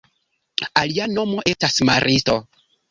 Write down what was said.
Alia nomo estas maristo.